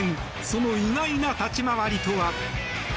その意外な立ち回りとは。